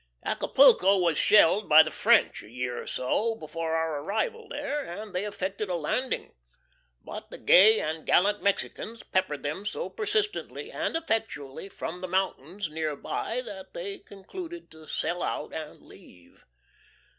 Acapulco was shelled by the French a year or so before our arrival there, and they effected a landing. But the gay and gallant Mexicans peppered them so persisently and effectually from the mountains near by that they concluded to sell out and leave.